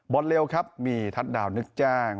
บอสเลวครับมีทัศน์ดาวนึกจ้าง